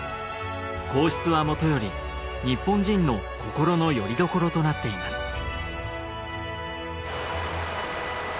皇室はもとより日本人の心のよりどころとなっています